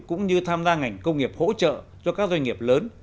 cũng như tham gia ngành công nghiệp hỗ trợ cho các doanh nghiệp lớn